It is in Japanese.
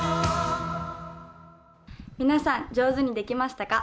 皆さん、上手にできましたか？